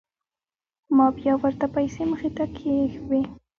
ما بيا ورته پيسې مخې ته كښېښووې.